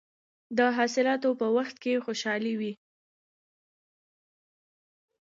د حاصلاتو په وخت کې خوشحالي وي.